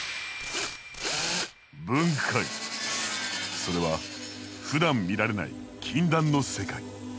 それはふだん見られない禁断の世界。